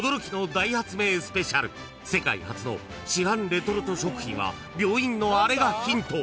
［世界初の市販レトルト食品は病院のあれがヒント］